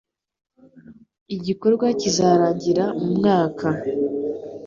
Igikorwa kizarangira mu mwaka.